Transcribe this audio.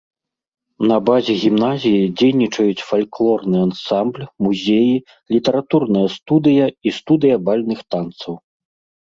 На базе гімназіі дзейнічаюць фальклорны ансамбль, музеі, літаратурная студыя і студыя бальных танцаў.